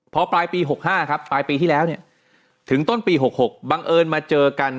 พอปลายปี๖๕ครับปลายปีที่แล้วเนี่ยถึงต้นปี๖๖บังเอิญมาเจอกัน